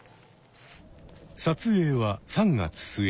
撮影は３月末。